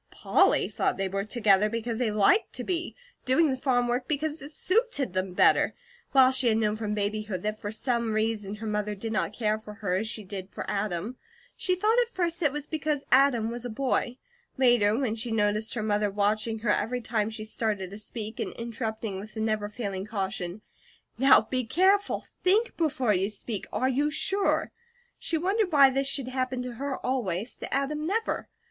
Polly thought they were together because they liked to be; doing the farm work because it suited them better; while she had known from babyhood that for some reason her mother did not care for her as she did for Adam. She thought at first that it was because Adam was a boy. Later, when she noticed her mother watching her every time she started to speak, and interrupting with the never failing caution: "Now be careful! THINK before you speak! Are you SURE?" she wondered why this should happen to her always, to Adam never.